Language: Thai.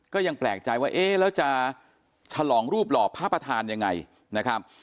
ก็ยังแปลกใจว่าเอ๊ะแล้วจะฉลองรูปหล่อพระประธานยังไงนะครับ